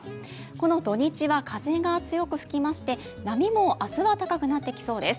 この土日は風が強く吹きまして、波も明日は高くなってきそうです。